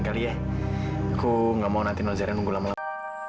aku gak mau nanti nozarian nunggu lama lama